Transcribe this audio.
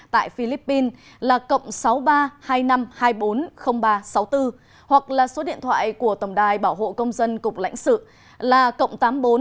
tại philippines là cộng sáu mươi ba hai mươi năm hai mươi bốn ba sáu mươi bốn hoặc là số điện thoại của tổng đài bảo hộ công dân cục lãnh sự là cộng tám mươi bốn chín trăm tám mươi một tám mươi bốn tám mươi bốn tám mươi bốn